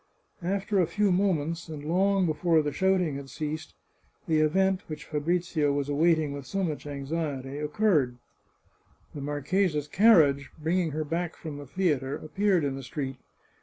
After a few moments, and long before the shouting had ceased, the event which Fabrizio was awaiting with so much anxiety occurred — the marchesa's carriage, bringing her back from the theatre, appeared in the street.